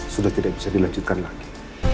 sudah tidak bisa dilanjutkan lagi